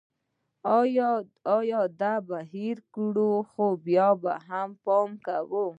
دا به هېر کړو ، خو بیا به پام کوو